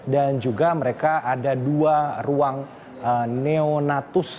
dan juga mereka ada dua ruang neonatus